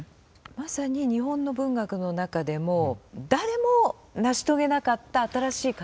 まさに日本の文学の中でも誰も成し遂げなかった新しい形を作りたい。